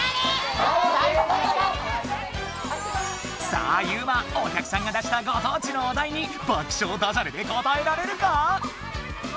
さあユウマお客さんが出したご当地のお題に爆笑だじゃれでこたえられるか？